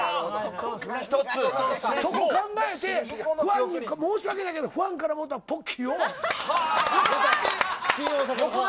そこを考えて申し訳ないけどファンからもらったポッキーを。